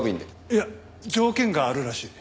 いや条件があるらしい。